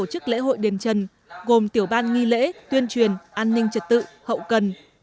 hội đền trần gồm tiểu ban nghi lễ tuyên truyền an ninh trật tự hậu cần